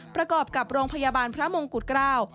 ประกอบกับโรงพยาบาลพระมงกุฎเกล้า